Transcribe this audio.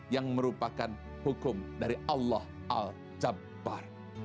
yang merupakan hukum dari allah al jabbar